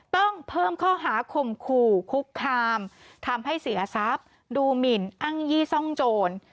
ต้องเพิ่มข้อหาข่มขู่คุกคามทำให้เสียทรัพย์ดูหมินอ้างยี่ซ่องโจร